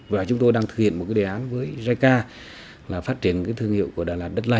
với tổng diện tích hơn bảy trăm linh hectare